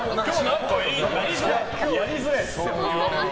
やりづらいっすよ。